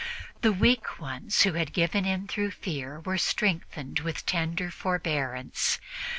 The weak ones who had given in through fear were strengthened with tender forbearance.